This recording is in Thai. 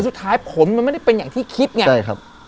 สุดท้ายผมมันเป็นอย่างที่คิดไง